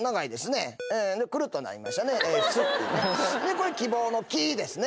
これ希望の希ですね。